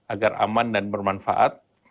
agar aman dan bermanfaat